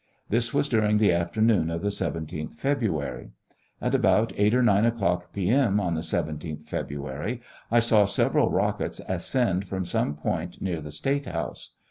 This was during the afternoon of the 17th February. At about 8 or 9 o'clock, P. M., on the 17th February, I saw several rockets ascend from some point near 'the State House.